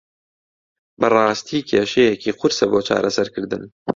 بەڕاستی کێشەیەکی قورسە بۆ چارەسەرکردن.